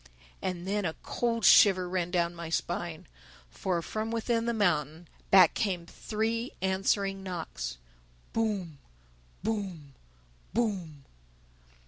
And then a cold shiver ran down my spine. For, from within the mountain, back came three answering knocks: _Boom!... Boom!... Boom!